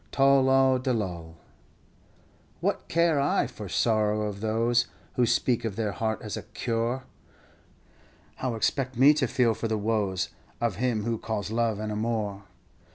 Tol lol de lol, etc. "'What care I for sorrows of those Who speak of their heart as a cuore; How expect me to feel for the woes Of him who calls love an amore!